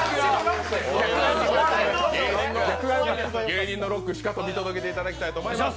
芸人のロックしかと見届けていただきたいと思います。